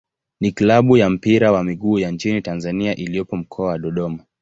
ni klabu ya mpira wa miguu ya nchini Tanzania iliyopo Mkoa wa Dodoma.